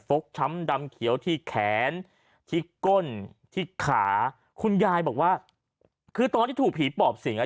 ช้ำดำเขียวที่แขนที่ก้นที่ขาคุณยายบอกว่าคือตอนที่ถูกผีปอบสิงอ่ะ